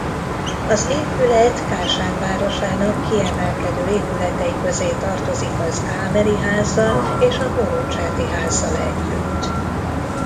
Az épület Kásán városának kiemelkedő épületei közé tartozik az Ámeri-házzal és a Borudzserdi-házzal együtt.